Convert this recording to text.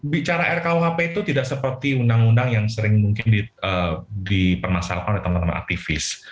bicara rkuhp itu tidak seperti undang undang yang sering mungkin dipermasalahkan oleh teman teman aktivis